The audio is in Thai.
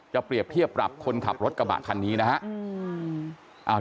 เปรียบเทียบปรับคนขับรถกระบะคันนี้นะครับ